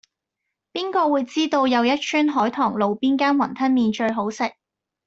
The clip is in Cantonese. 邊個會知道又一村海棠路邊間雲吞麵最好食